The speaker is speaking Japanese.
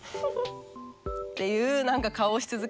っていう何か顔をし続けるの。